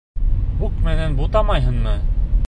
Бук менән бутамайһыңмы?